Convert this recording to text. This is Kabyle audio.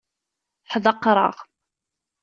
Ḥdaqreɣ.